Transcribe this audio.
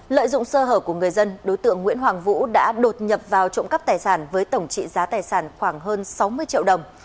lợi dụng sơ hở của người dân đối tượng nguyễn hoàng vũ đã đột nhập vào trộm cắp tài sản với tổng trị giá tài sản khoảng hơn sáu mươi triệu đồng